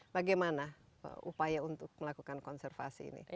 bagaimana upaya untuk melakukan konservasi ini